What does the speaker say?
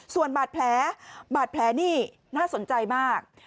ส่วนบาดแพลนี่น่าสนใจมาก